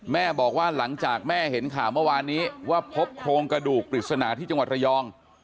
แม่บอกว่าหลังจากแม่เห็นข่าวเมื่อวานนี้ว่าพบโครงกระดูกปริศนาที่จังหวัดระยอง